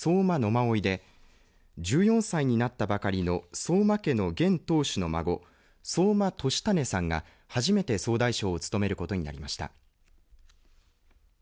馬追で１４歳になったばかりの相馬家の現当主の孫相馬言胤さんが初めて総大将を務めることになりました。